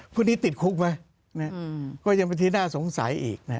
พวกนี้ติดคุกไหมก็ยังเป็นที่น่าสงสัยอีก